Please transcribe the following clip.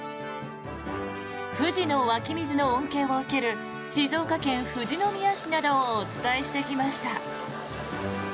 富士の湧き水の恩恵を受ける静岡県富士宮市などをお伝えしてきました。